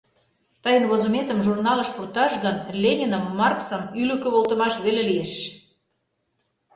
Тыйын возыметым журналыш пурташ гын, Лениным, Марксым ӱлыкӧ волтымаш веле лиеш.